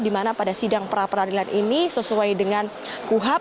dimana pada sidang perapradilan ini sesuai dengan kuhap